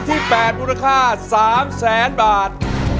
ที่๘มูลค่า๓แสนบาท